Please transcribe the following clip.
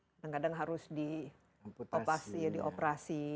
kadang kadang harus dioperasi